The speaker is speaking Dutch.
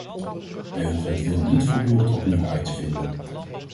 Wij hoeven het wiel niet voortdurend opnieuw uit te vinden.